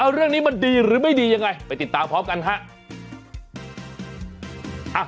เรื่องนี้มันดีหรือไม่ดียังไงไปติดตามพร้อมกันฮะ